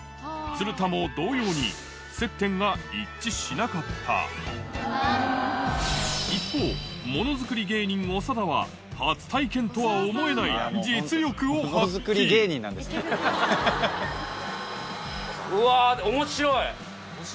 鶴田も同様に接点が一致しなかった一方ものづくり芸人長田は初体験とは思えない実力を発揮うわ面白い。